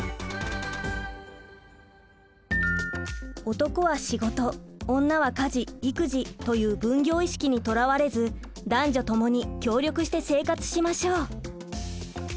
「男は仕事女は家事・育児」という分業意識にとらわれず男女ともに協力して生活しましょう。